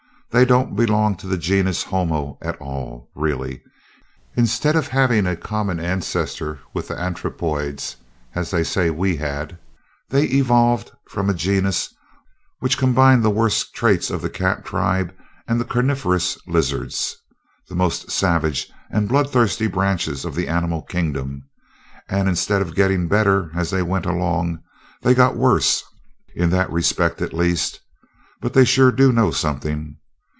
They don't belong to the genus 'homo' at all, really. Instead of having a common ancestor with the anthropoids, as they say we had, they evolved from a genus which combined the worst traits of the cat tribe and the carnivorous lizards the most savage and bloodthirsty branches of the animal kingdom and instead of getting better as they went along, they got worse, in that respect at least. But they sure do know something.